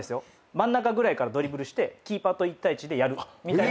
真ん中ぐらいからドリブルしてキーパーと１対１でやるみたいな。